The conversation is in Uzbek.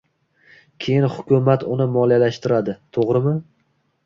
Keyin hukumat uni moliyalashtiradi, toʻgʻrimi?